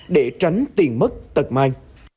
để tránh tiền mất tật mai